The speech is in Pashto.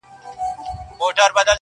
نه پاته کيږي، ستا د حُسن د شراب، وخت ته.